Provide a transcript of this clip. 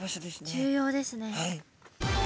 重要ですね。